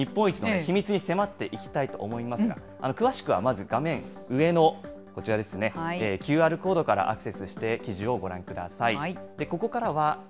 この日本一の秘密に迫っていきたいと思いますが、詳しくはまず、画面上の、こちらですね、ＱＲコードからアクセスして記事をご覧ください。